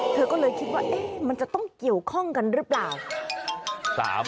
เธอก็เลยคิดว่ามันจะต้องเกี่ยวข้องกันหรือเปล่า